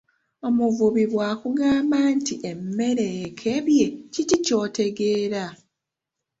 Omuvubi bwakugamba nti emmere ekebye kiki ky'otegeera?